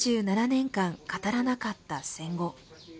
７７年間、語らなかった戦後。